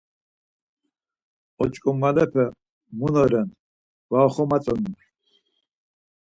Oç̌ǩomalepe munoren var oxomatzonu.